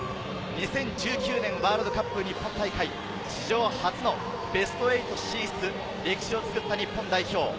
２０１９年ワールドカップ日本大会、史上初のベスト８進出、歴史を作った日本代表。